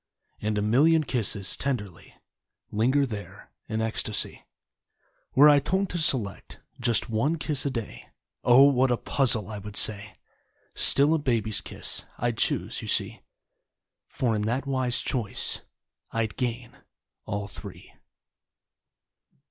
And a million kisses Tenderly Linger there in ecstacy. Were I told to select Just one kiss a day; Oh! What a puzzle I would say. Still a baby's kiss I'd choose, you see, For in that wise choice I'd gain ALL Three.